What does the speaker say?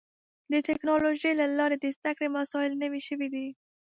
د ټکنالوجۍ له لارې د زدهکړې وسایل نوي شوي دي.